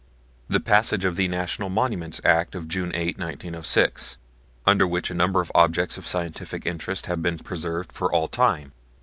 The passage of the National Monuments Act of June 8, 1906, under which a number of objects of scientific interest have been preserved for all time.